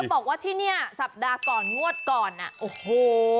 บอกว่าที่นี่สัปดาห์ก่อนงวดก่อนโอ้โห